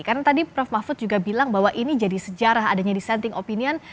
karena tadi prof mahfud juga bilang bahwa ini jadi sejarah adanya dissenting opinion